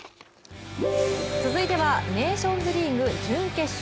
続いてはネーションズリーグ準決勝。